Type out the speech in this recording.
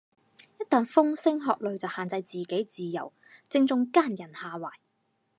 一但風聲鶴唳就限制自己自由，正中奸人下懷